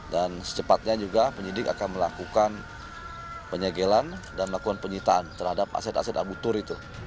dan secepatnya juga penyelidik akan melakukan penyegelan dan melakukan penyitaan terhadap aset aset abu turs itu